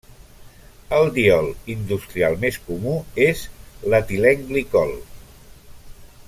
El diol industrial més comú és l'etilenglicol.